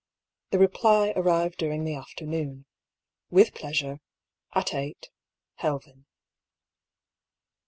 The reply arrived during the after noon: " With pleasure — at eight. — Helven.